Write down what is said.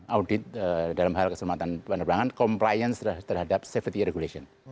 audit dalam hal keselamatan penerbangan compliance terhadap safety regulation